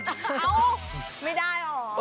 เอ้าไม่ได้เหรอ